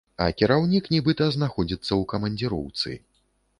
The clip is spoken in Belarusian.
А кіраўнік, нібыта, знаходзіцца ў камандзіроўцы.